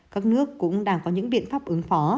các nước cũng đang có những biện pháp ứng phó